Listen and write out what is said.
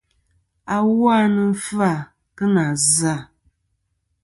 Awu a nɨn fɨ-à kɨ nà zɨ-à.